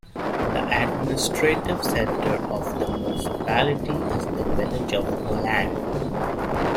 The administrative centre of the municipality is the village of Moland.